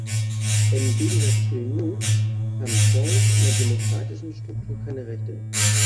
Im Gegensatz zu den "Nodes" haben "Points" in der demokratischen Struktur keine Rechte.